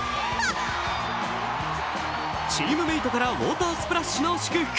チームメイトからウォータースプラッシュの祝福。